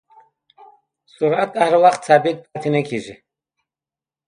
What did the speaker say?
سرعت هر وخت ثابت پاتې نه کېږي.